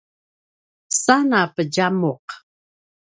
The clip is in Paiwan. sa napedjamuq